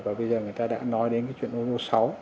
và bây giờ người ta đã nói đến cái chuyện ô ngô sáu